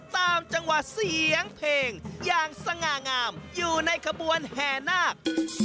ตามจังหวะเสียงเพลงอย่างสง่างามอยู่ในขบวนแห่นาค